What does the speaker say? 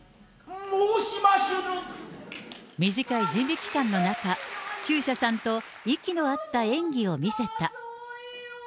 短い準備期間の中、中車さんと息の合った演技を見せた。